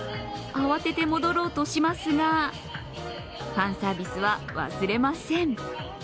慌てて戻ろうとしますが、ファンサービスは忘れません。